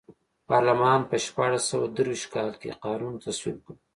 پارلمان په شپاړس سوه درویشت کال کې قانون تصویب کړ.